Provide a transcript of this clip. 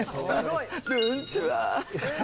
るんちは！